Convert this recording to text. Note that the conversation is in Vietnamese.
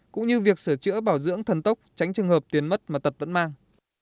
cũng như việc sửa chữa bảo dưỡng thần tốc tránh trường hợp tiền mất mà tật vẫn mang